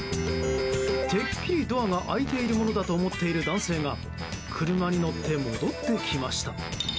てっきりドアが開いているものだと思っている男性が車に乗って戻ってきました。